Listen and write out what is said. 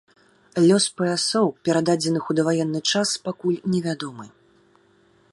Лёс паясоў, перададзеных у даваенны час, пакуль невядомы.